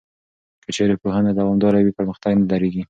که چېرې پوهنه دوامداره وي، پرمختګ نه درېږي.